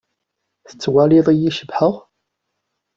Tettwaliḍ-iyi cebḥeɣ?